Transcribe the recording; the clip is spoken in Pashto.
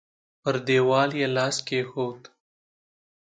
پر دېوال يې لاس کېښود.